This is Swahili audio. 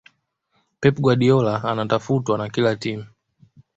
pep guardiola anatafutwa na kila timu